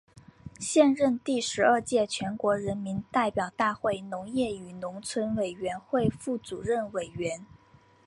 现任第十二届全国人民代表大会农业与农村委员会副主任委员。